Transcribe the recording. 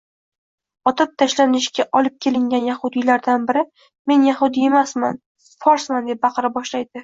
Otib tashlanishga olib kelingan yahudiylardan biri “men yahudiy emasman, forsman” deb baqira boshlaydi.